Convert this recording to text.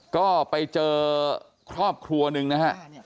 ก็ไปเจอครอบครัวหนึ่งนะฮะ